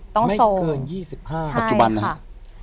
ต้องทรงไม่เกินยี่สิบห้าปัจจุบันนะฮะใช่ค่ะ